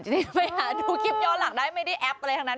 ที่ไปหาดูคลิปย้อนหลังได้ไม่ได้แอปอะไรทั้งนั้น